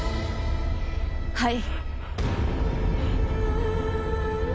はい。